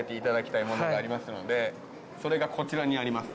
それがこちらにあります。